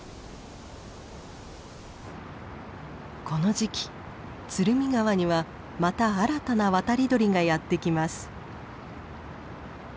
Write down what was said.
この時期鶴見川にはまた新たな渡り鳥がやって来ます。